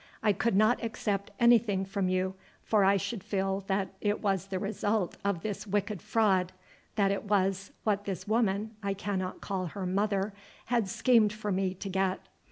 I could not accept anything from you, for I should feel that it was the result of this wicked fraud, that it was what this woman, I cannot call her mother, had schemed for me to get.